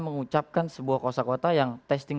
mengucapkan sebuah kosa kota yang testing